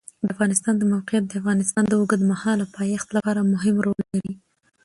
د افغانستان د موقعیت د افغانستان د اوږدمهاله پایښت لپاره مهم رول لري.